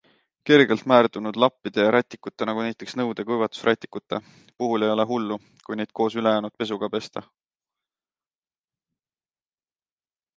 Kergelt määrdunud lappide ja rätikute, nagu näiteks nõude kuivatusrätikute, puhul ei ole hullu, kui neid koos ülejäänud pesuga pesta.